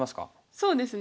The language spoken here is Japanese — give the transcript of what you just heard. そうですね。